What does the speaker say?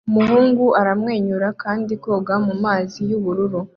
Umuhungu aramwenyura kandi koga mumazi yubururu